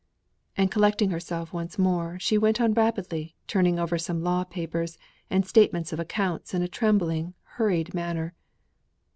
And collecting herself once more, she went on rapidly turning over some law papers, and statement of accounts in a trembling hurried manner.